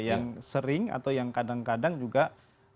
yang sering atau yang kadang kadang juga memunculkan satu